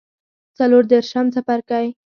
څلور دیرشم څپرکی